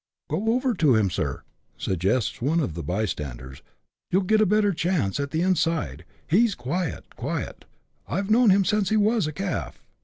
" Go over to him, sir," suggests one of the bystanders, " you'll get a better chance from the inside ; he's ' quite quiet,' I've known him since he was a calf."